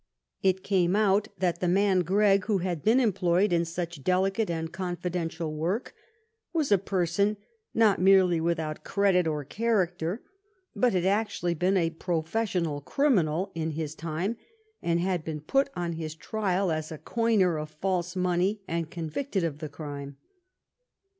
It came out that the man Gregg, who had been employed in such delicate and confidential work, was a person not merely without credit or character, but had actually been a profes sional criminal in his time, and had been put on his trial as a coiner of false money and convicted of the 308 "HARLET, THE NATIONS GREAT SUPPORT" crime.